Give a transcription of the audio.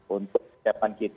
untuk siapan kita